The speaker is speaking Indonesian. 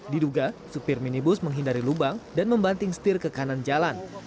diduga supir minibus menghindari lubang dan membanting setir ke kanan jalan